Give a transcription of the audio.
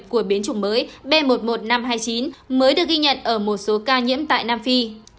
của biến chủng mới b một mươi một nghìn năm trăm hai mươi chín mới được ghi nhận ở một số ca nhiễm tại nam phi